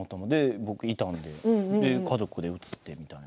僕がいたので家族で映ってみたいな。